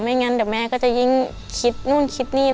งั้นเดี๋ยวแม่ก็จะยิ่งคิดนู่นคิดนี่